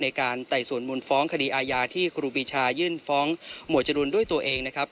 ไต่สวนมูลฟ้องคดีอาญาที่ครูปีชายื่นฟ้องหมวดจรูนด้วยตัวเองนะครับ